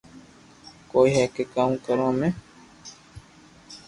ڪوئي ھي ڪي ڪاو ڪرو امي